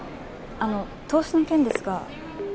あの投資の件ですが。